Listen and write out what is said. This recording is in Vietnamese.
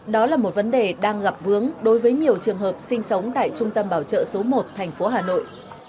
đó là một vấn đề đang gặp vướng đối với nhiều trường hợp sinh sống tại trung tâm bảo trợ số một thành phố hà nội